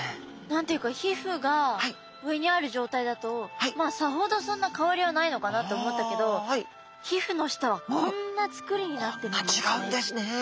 何て言うか皮膚が上にある状態だとさほどそんな変わりはないのかなと思ったけど皮膚の下はこんなつくりになってるんですね。